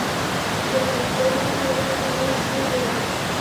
دا د دواړو هیوادونو ترمنځ ستونزه ده.